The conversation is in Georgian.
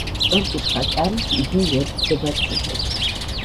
სწორკუთხა კარით იგი უერთდება ციხეს.